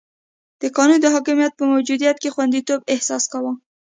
د قانون د حاکمیت په موجودیت کې خونديتوب احساس کاوه.